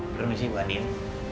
permisi bu adin